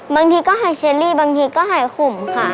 บางทีก็หายเชอรี่บางทีก็หายขุมค่ะ